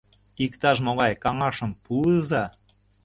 — Иктаж-могай каҥашым пуыза.